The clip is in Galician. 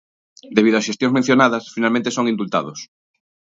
Debido ás xestións mencionadas, finalmente son indultados.